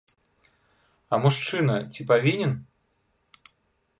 А мужчына ці павінен?